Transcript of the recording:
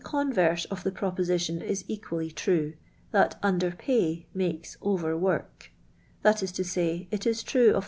converse of the proprteition is eciually true, thnt under pay makes over work that is to say, it is true ol" tho?